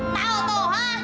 tahu tuh ha